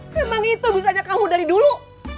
memang itu bisanya kamu dari dulu